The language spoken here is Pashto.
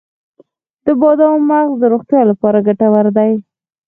د بادامو مغز د روغتیا لپاره ګټور دی.